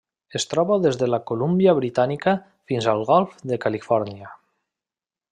Es troba des de la Colúmbia Britànica fins al Golf de Califòrnia.